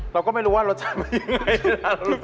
เราก็ไม่รู้ว่าเราจะมายังไง